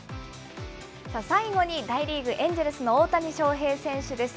最後に大リーグ・エンジェルスの大谷翔平選手です。